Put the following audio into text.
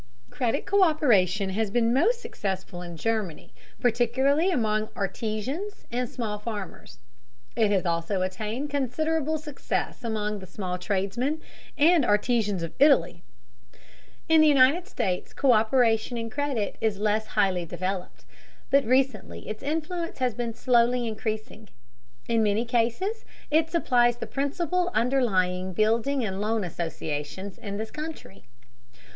Credit co÷peration has been most successful in Germany, particularly among artisans and small farmers. It has also attained considerable success among the small tradesmen and artisans of Italy. In the United States co÷peration in credit is less highly developed, but recently its influence has been slowly increasing. In many cases it supplies the principle underlying building and loan associations in this country.